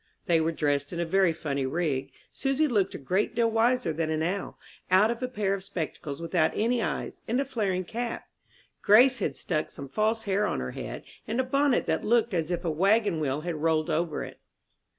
They were dressed in a very funny rig. Susy looked a great deal wiser than an owl, out of a pair of spectacles without any eyes, and a flaring cap. Grace had stuck some false hair on her head, and a bonnet that looked as if a wagon wheel had rolled over it.